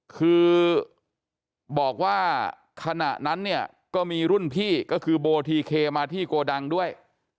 คือบอกว่าขณะนั้นเนี่ยก็มีรุ่นพี่ก็คือโบทีเคมาที่โกดังด้วย